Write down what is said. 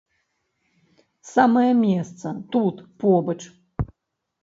Самае месца, тут побач.